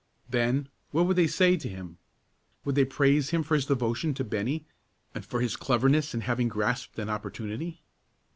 Then, what would they say to him? Would they praise him for his devotion to Bennie, and for his cleverness in having grasped an opportunity?